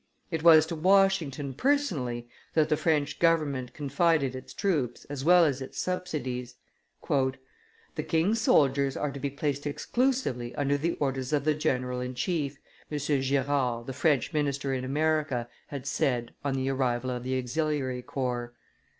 It was to Washington personally that the French government confided its troops as well as its subsidies. "The king's soldiers are to be placed exclusively under the orders of the general in chief," M. Girard, the French minister in America, had said, on the arrival of the auxiliary corps.